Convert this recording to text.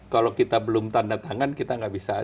kalau kita belum tanda tangan kita nggak bisa